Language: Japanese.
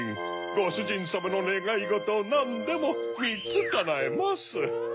ごしゅじんさまのねがいごとをなんでも３つかなえます。